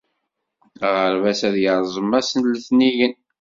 Aɣerbaz ad yerẓem ass n letniyen.